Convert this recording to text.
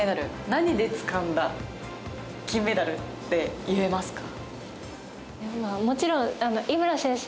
何でつかんだ金メダルって言えますか？